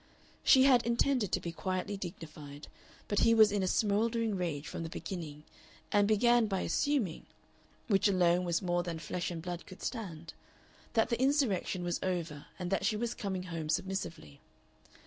She had intended to be quietly dignified, but he was in a smouldering rage from the beginning, and began by assuming, which alone was more than flesh and blood could stand, that the insurrection was over and that she was coming home submissively.